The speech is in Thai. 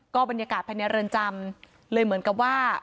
บรรยากาศภายในเรือนจำเลยเหมือนกับว่า